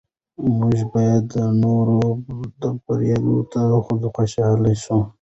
موږ باید د نورو بریاوو ته خوشحاله شو